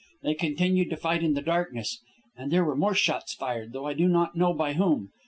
They continued to fight in the darkness, and there were more shots fired, though I do not know by whom.